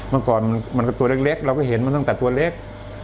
เมื่อก่อนมันก็ตัวเล็กเราก็เห็นมาตั้งแต่ตัวเล็ก